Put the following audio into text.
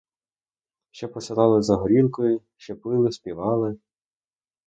Ще посилали за горілкою, ще пили, співали.